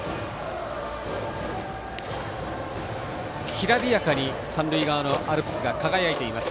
きらびやかに三塁側のアルプスが輝いています